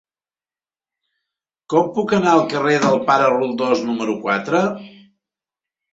Com puc anar al carrer del Pare Roldós número quatre?